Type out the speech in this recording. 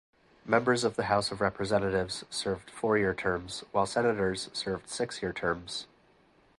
Members of the House of Representatives served four-year terms, while senators served six-year terms.